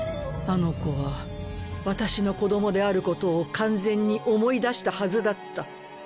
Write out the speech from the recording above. あの子は私の子供であることを完全に思い出したはずだった。